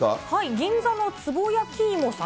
銀座の、つぼやきいもさん。